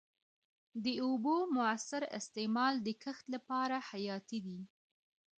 د اوبو موثر استعمال د کښت لپاره حیاتي دی.